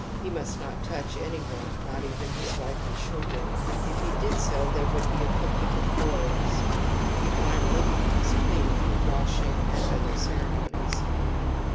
He must not touch any one, not even his wife and children ; if he did so they would be afiOicted with boils. He finally be 68 TOTEM AND TABOO comes clean through washing and other cere monies.